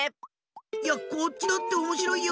こっちだっておもしろいよ。